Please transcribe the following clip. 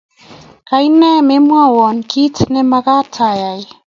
Kaine memwowo kiit nemagat ayai?